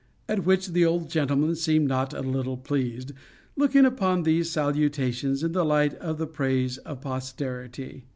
at which the old gentleman seemed not a little pleased, looking upon these salutations in the light of the praise of posterity.